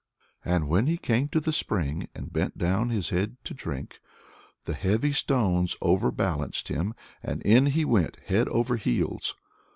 And when he came to the spring and bent down his head to drink, the heavy stones overbalanced him, and in he went head over heels.